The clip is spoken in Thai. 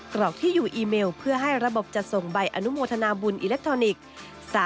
กรอกที่อยู่อีเมลเพื่อให้ระบบจัดส่งใบอนุโมทนาบุญอิเล็กทรอนิกส์